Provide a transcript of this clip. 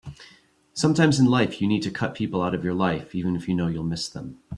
Sometimes in life you need to cut people out of your life even if you know you'll miss them.